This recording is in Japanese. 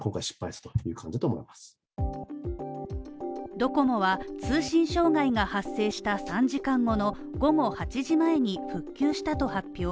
ドコモは通信障害が発生した３時間後の午後８時前に復旧したと発表。